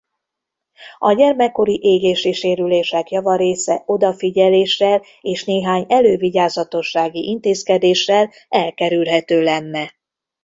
A gyermekkori égési sérülések java része odafigyeléssel és néhány elővigyázatossági intézkedéssel elkerülhető lenne.